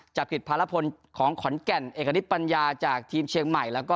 กิจภารพลของขอนแก่นเอกณิตปัญญาจากทีมเชียงใหม่แล้วก็